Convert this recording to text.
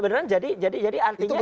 beneran jadi artinya